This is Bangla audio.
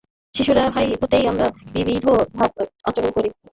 শিশুকাল হইতেই আমরা বিবিধ ভাব আহরণ করি এবং প্রায়ই ভাবের পরিবর্তনও করি।